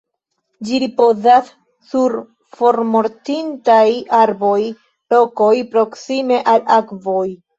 Ĝi ripozas sur formortintaj arboj, rokoj, proksime al akvoj.